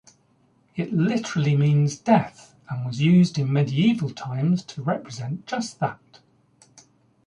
It literally means "death" and was used in medieval times to represent just that.